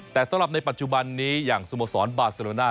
แต่สำหรับในปัจจุบันนี้อย่างสโมสรบาเซโรน่า